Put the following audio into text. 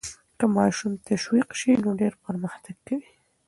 که ماشوم تشویق سي نو ډېر پرمختګ کوي.